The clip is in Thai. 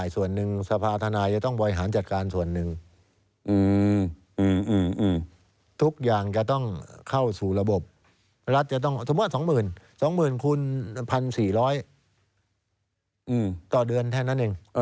สมมุติว่า๒๐๐๐๐คูณ๑๔๐๐ต่อเดือนแค่นั้นเอง